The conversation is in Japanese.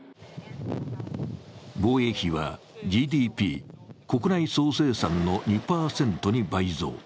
防衛費はＧＤＰ＝国内総生産の２％に倍増。